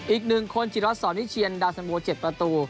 อีก๑คนจิรัสสอนวิเชียนดาวสันโบ๗ประตู